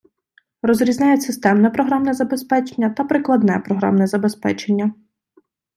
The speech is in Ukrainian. Розрізняють системне програмне забезпечення та прикладне програмне забезпечення.